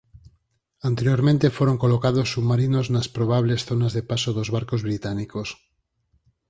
Anteriormente foron colocados submarinos nas probables zonas de paso dos barcos británicos.